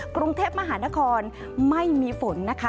กรุงเทพมหานครไม่มีฝนนะคะ